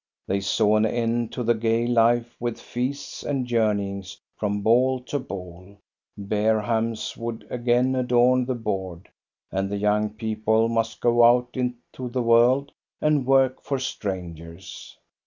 They saw an end to the gay life with feasts and joumeyings from ball to ball. Bear hams would again adorn the board, and the young people must go out into the world and work for strangers.